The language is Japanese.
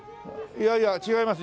いやいや違います。